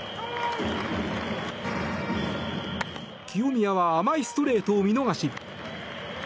清宮は甘いストレートを見逃し。